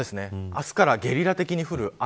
明日からゲリラ的に降る雨。